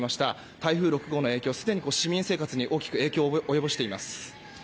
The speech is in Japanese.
台風６号の影響はすでに市民生活に大きく影響を及ぼしています。